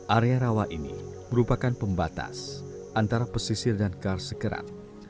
area rawa ini merupakan pembatas antara pesisir dan karsekerat